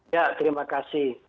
ya terima kasih